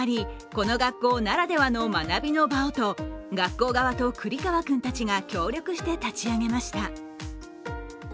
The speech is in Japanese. この学校ならではの学びの場をと学校側と栗川君たちが協力して立ち上げました。